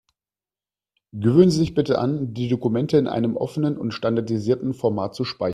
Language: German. Gewöhnen Sie sich bitte an, die Dokumente in einem offenen und standardisierten Format zu speichern.